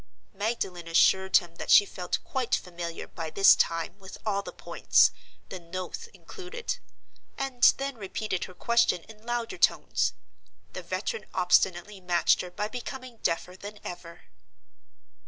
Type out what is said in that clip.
Magdalen assured him that she felt quite familiar, by this time, with all the points, the "Noathe" included; and then repeated her question in louder tones. The veteran obstinately matched her by becoming deafer than ever.